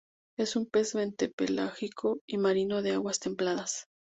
Es un pez bentopelágico y marino de aguas templadas.